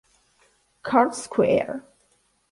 Court Square